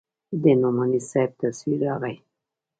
د نعماني صاحب تصوير راغى.